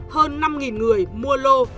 hơn năm người mua lô